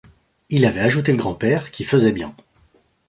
Il avait ajouté le grand-père, qui faisait bien.